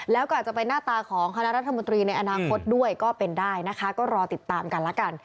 แล้วก็อาจจะเป็นหน้าตาของคณะรัฐมนตรีในอนาคตด้วยก็เป็นได้นะคะก็รอติดตามกันละกัน